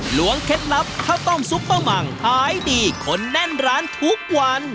หลวงเคล็ดลับข้าวต้มซุปเปอร์มังขายดีคนแน่นร้านทุกวัน